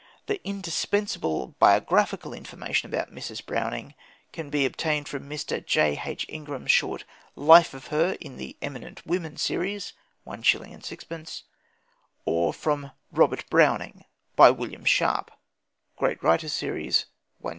The indispensable biographical information about Mrs. Browning can be obtained from Mr. J.H. Ingram's short Life of her in the "Eminent Women" Series (1s. 6d.), or from Robert Browning, by William Sharp ("Great Writers" Series, 1s.).